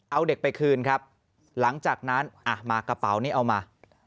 เอาเด็กไปคืนครับหลังจากนั้นอ่ะมากระเป๋านี้เอามา